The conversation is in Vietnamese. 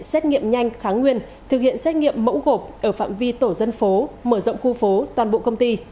xét nghiệm nhanh kháng nguyên thực hiện xét nghiệm mẫu gộp ở phạm vi tổ dân phố mở rộng khu phố toàn bộ công ty